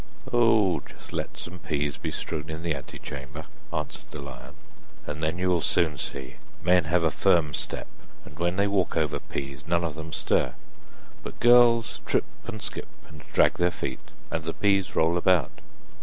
'Oh, just let some peas be strewn in the ante chamber,' answered the lion, 'and then you will soon see. Men have a firm step, and when they walk over peas none of them stir, but girls trip and skip, and drag their feet, and the peas roll about.